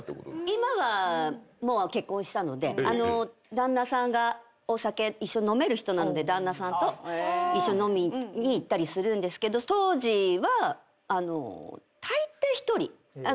旦那さんがお酒一緒に飲める人なので旦那さんと一緒に飲みに行ったりするんですけど当時は。